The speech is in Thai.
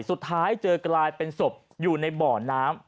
สุดท้ายเจอกลายเป็นศพอยู่ในบ่อน้ำ